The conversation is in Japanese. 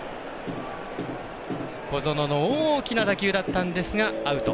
小園の大きな打球だったんですがアウト。